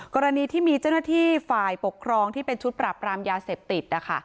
กรณีที่มีเจ้าหน้าที่ฝ่ายปกครองที่เป็นชุดปรับรามยาเสพติดนะคะ